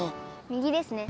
右ですね。